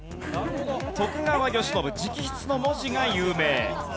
徳川慶喜直筆の文字が有名。